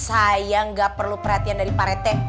sayang gak perlu perhatian dari pak rete